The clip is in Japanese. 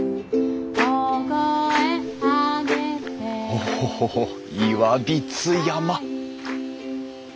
オホホホ岩櫃山！